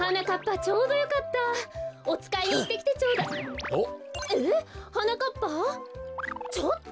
ちょっと！